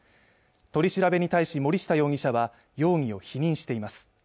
取り調べに対し森下容疑者は容疑を否認しています